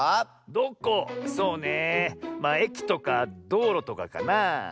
そうねええきとかどうろとかかなあ。